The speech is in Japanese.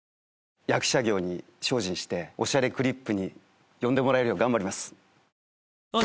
役者業に精進して『おしゃれクリップ』に呼んでもらえるよう頑張ります。